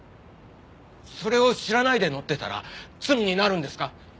それを知らないで乗ってたら罪になるんですか！？